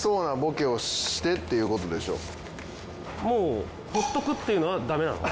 もう放っとくっていうのはダメなの？